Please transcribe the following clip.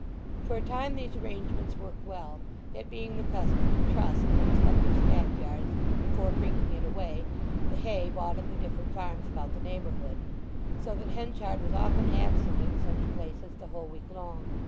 For a time these arrangements worked well, it being the custom to truss in the respective stack yards, before bringing it away, the hay bought at the different farms about the neighbourhood; so that Henchard was often absent at such places the whole week long.